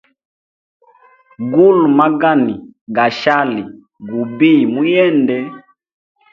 Gula magani gashali gubiye mu yende.